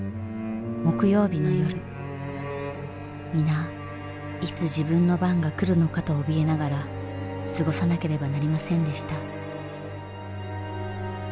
皆いつ自分の番が来るのかとおびえながら過ごさなければなりませんでした